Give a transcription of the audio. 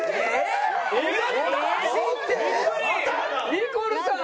ニコルさん！